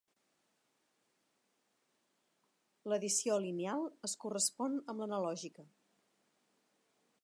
L'edició lineal es correspon amb l'analògica.